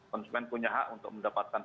konsumen punya hak untuk mendapatkan